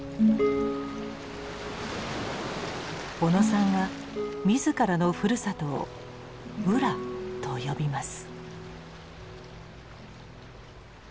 小野さんはみずからのふるさとを「浦」と呼びます。